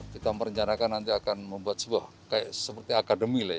kita merencanakan nanti akan membuat sebuah seperti akademi